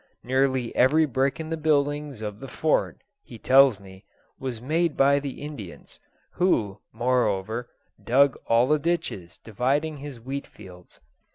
Nearly every brick in the buildings of the Fort, he tells me, was made by the Indians, who, moreover, dug all the ditches dividing his wheat fields.